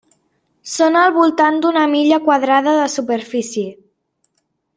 Són al voltant d'una milla quadrada de superfície.